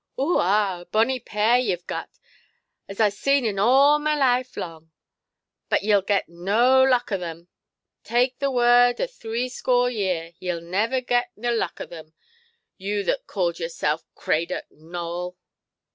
"Oo, ah! a bonnie pair yeʼve gat, as I see in all my life lang. But yeʼll get no luck o' them. Takʼ the word o' threescore year, yeʼll never get no luck o' them, you that calls yoursel' Craydock Nowell".